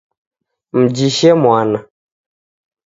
Mjishe mwana.